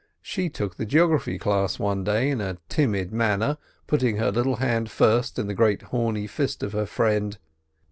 She took the geography class one day in a timid manner, putting her little hand first in the great horny fist of her friend.